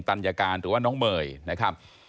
ัญญาการหรือว่าน้องเมย์นะครับ